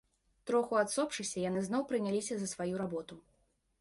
Троху адсопшыся, яны зноў прыняліся за сваю работу.